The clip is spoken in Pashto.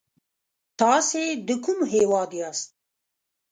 تاسې د کوم هيواد ياست؟